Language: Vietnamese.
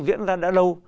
diễn ra đã lâu